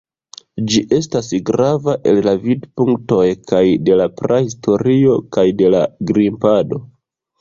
Ĝi estas grava el la vidpunktoj kaj de la prahistorio kaj de la grimpado.